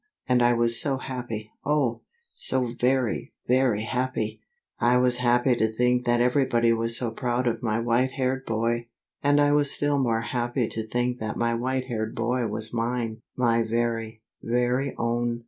And I was so happy, oh, so very, very happy! I was happy to think that everybody was so proud of my white haired boy. And I was still more happy to think that my white haired boy was mine, my very, very own.